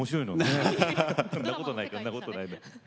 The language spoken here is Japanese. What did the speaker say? そんなことない。